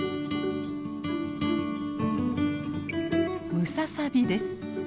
ムササビです。